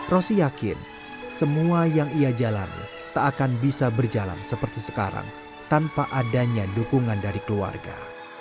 rosi yakin semua yang ia jalani tak akan bisa berjalan seperti sekarang tanpa adanya dukungan dari keluarga